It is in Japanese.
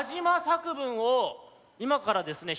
作文をいまからですね